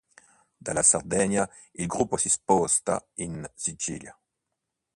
Dalla Sardegna il gruppo si sposta in Sicilia.